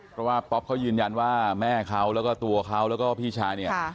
เพราะว่าป๊อปเขายืนยันว่าแม่เขาแล้วก็ตัวเขาแล้วก็พี่ชายเนี่ย